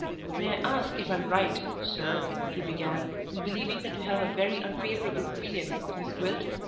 "May I ask if I am right, sir," he began, "in believing that you have a very unfavorable opinion of Miss Gwilt?